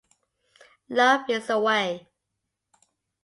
Love is the Way!